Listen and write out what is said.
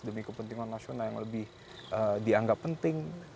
demi kepentingan nasional yang lebih dianggap penting